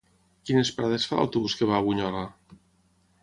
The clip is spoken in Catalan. Quines parades fa l'autobús que va a Bunyola?